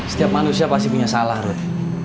setiap manusia pasti punya salah roti